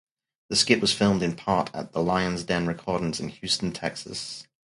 The skit was filmed in part at The Lion's Den Recordings in Houston, Texas.